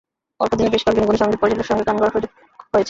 অল্প দিনে বেশ কয়েকজন গুণী সংগীত পরিচালকের সঙ্গে গান গাওয়ার সুযোগ হয়েছে।